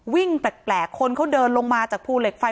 วิ่งแปลกคนเขาเดินลงมาจากภูเหล็กไฟ